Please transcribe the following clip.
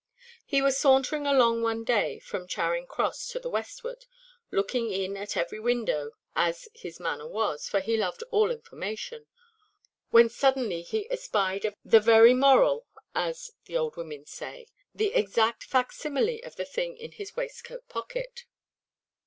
He was sauntering along one day from Charing Cross to the westward, looking in at every window (as his manner was, for he loved all information), when suddenly he espied the very "moral"—as the old women say—the exact fac–simile of the thing in his waistcoat pocket.